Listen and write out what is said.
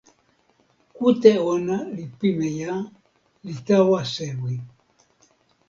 kute ona li pimeja, li tawa sewi.